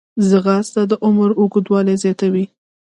ځغاسته د عمر اوږدوالی زیاتوي